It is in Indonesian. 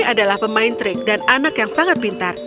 adalah pemain trik dan anak yang sangat pintar